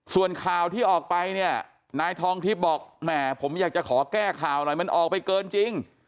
ส่วนข่าวที่ออกไปเนี่ยนายทองทิพย์บอกแหมผมอยากจะขอแก้ข่าวหน่อยมันออกไปเกินจริง